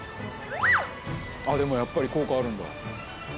あっでもやっぱり効果あるんだ。